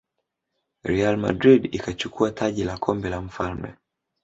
real madrid ikachukua taji la kombe la mfalme